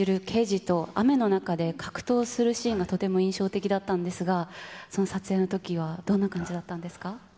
刑事と、雨の中で格闘するシーンがとても印象的だったんですが、撮影のときはどんな感じだったんですか。